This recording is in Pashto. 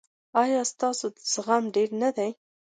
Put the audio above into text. ایا ستاسو زغم ډیر نه دی؟